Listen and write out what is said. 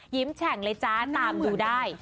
แฉ่งเลยจ๊ะตามดูได้